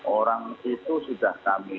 orang itu sudah kami